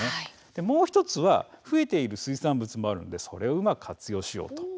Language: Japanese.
もう１つは増えている水産物もあるのでそれをうまく活用しようと。